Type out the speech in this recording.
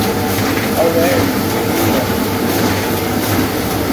Aurelio Ferreira Pedroso